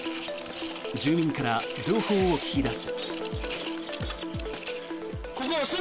住民から情報を聞き出す。